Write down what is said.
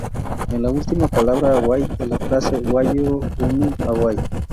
En la última palabra "away" de la frase "why are you running away?